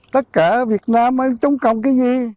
tất cả việt nam nó trống còng cái gì